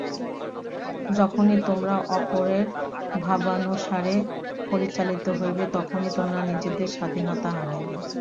যখনই তোমরা অপরের ভাবানুসারে পরিচালিত হইবে, তখনই তোমরা নিজেদের স্বাধীনতা হারাইবে।